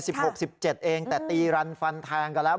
หกสิบเจ็ดเองแต่ตีรันฟันแทงกันแล้ว